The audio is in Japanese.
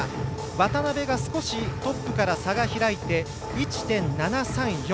渡部が少しトップから差が開いて１．７３４。